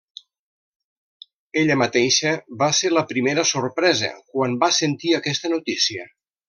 Ella mateixa va ser la primera sorpresa quan va sentir aquesta notícia.